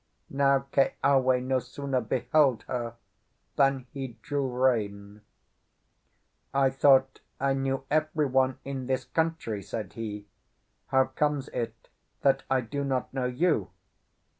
Now Keawe no sooner beheld her than he drew rein. "I thought I knew everyone in this country," said he. "How comes it that I do not know you?"